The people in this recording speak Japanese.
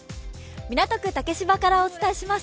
港区竹芝からお伝えします。